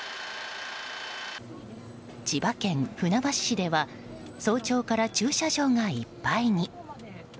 千葉県船橋市では早朝から駐車場がいっぱいに。